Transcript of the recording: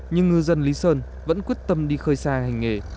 nhưng ngư dân lý sơn vẫn quyết tâm đi khơi xa hành nghề